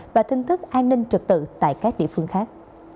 và tin tức an ninh trực tự tại các địa phương khác